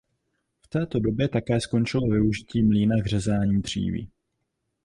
V této době také skončilo využití mlýna k řezání dříví.